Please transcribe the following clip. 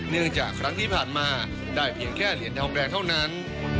เนื่องจากครั้งที่ผ่านมาได้เพียงแค่เหรียญทองแดงเท่านั้น